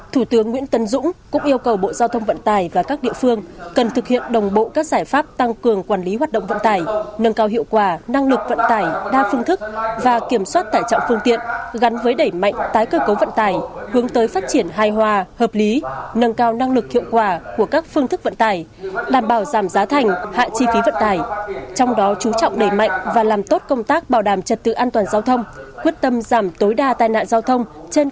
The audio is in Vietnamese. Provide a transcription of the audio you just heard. thủ tướng nguyễn tân dũng cũng yêu cầu bộ giao thông vận tài và các địa phương cần thực hiện đồng bộ các giải pháp tăng cường quản lý hoạt động vận tài nâng cao hiệu quả năng lực vận tài đa phương thức và kiểm soát tải trọng phương tiện gắn với đẩy mạnh tái cơ cấu vận tài hướng tới phát triển hài hòa hợp lý nâng cao năng lực hiệu quả của các phương thức vận tài đảm bảo giảm giá thành hạ chi phí vận tài trong đó chú trọng đẩy mạnh và làm tốt công tác bảo đảm trật tự an toàn giao thông